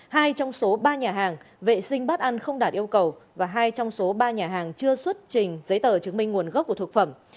hai trong số ba nhà hàng vệ sinh bắt ăn không đạt yêu cầu và hai trong số ba nhà hàng chưa xuất trình giấy tờ chứng minh nguồn gốc của thực phẩm